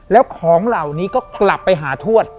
แล้วของเหล่านี้ก็กลับไปหาทวด